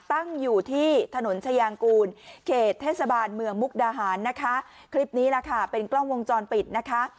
ตั้งอยู่ที่ถนนชายางกูลเขตเทศบาลเมืองมุกดาหารนะคะคลิปนี้แหละค่ะเป็นกล้องวงจรปิดนะคะ